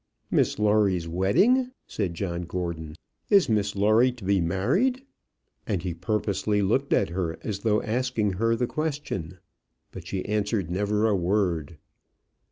"Miss Lawrie's wedding!" said John Gordon. "Is Miss Lawrie to be married?" And he purposely looked at her, as though asking her the question. But she answered never a word.